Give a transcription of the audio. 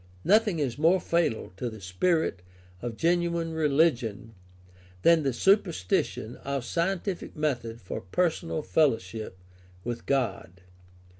Nothing is more fatal to the spirit of genuine religion than the substitution of scientific method for personal fellowship with God.